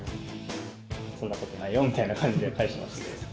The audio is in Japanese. そんなことないよみたいな感じで返しましたけど。